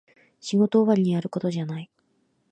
仕事終わりにやることじゃない